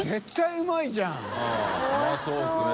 Δうまそうですね。